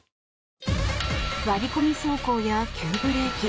割り込み走行や急ブレーキ。